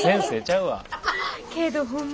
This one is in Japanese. けどホンマ